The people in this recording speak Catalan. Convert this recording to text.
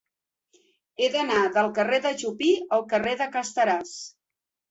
He d'anar del carrer de Jupí al carrer de Casteràs.